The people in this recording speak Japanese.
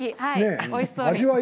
おいしそうに。